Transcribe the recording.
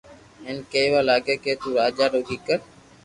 ھين ڪي وا لاگيا ڪي تو راجا رو ڪيڪر